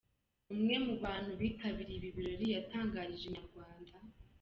Umwe mu bantu bitabiriye ibi birori yatangarije Inyarwanda.